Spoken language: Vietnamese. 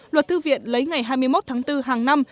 luật thư viện lấy ngày hai mươi một tháng bốn hàng năm